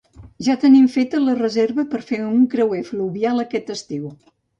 Ja tenim feta la reserva per fer un creuer fluvial aquest estiu